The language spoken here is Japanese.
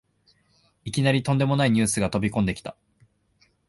いきなりとんでもないニュースが飛びこんできた